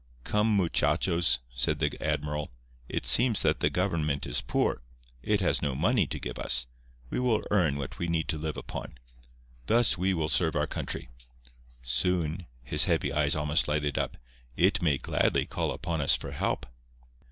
"Come, muchachos," said the admiral; "it seems that the government is poor. It has no money to give us. We will earn what we need to live upon. Thus will we serve our country. Soon"—his heavy eyes almost lighted up—"it may gladly call upon us for help."